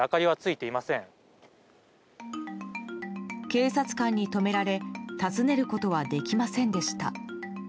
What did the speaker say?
警察官に止められ訪ねることはできませんでした。